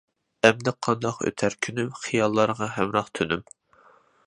ئەمدى قانداق ئۆتەر كۈنۈم، خىياللارغا ھەمراھ تۈنۈم.